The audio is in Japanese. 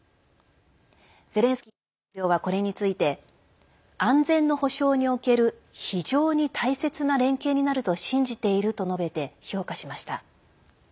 ゼレンスキー大統領はこれについて安全の保証における非常に大切な連携になると信じていると述べて評価しました。